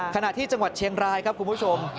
ขณะที่จังหวัดเชียงรายครับคุณผู้ชม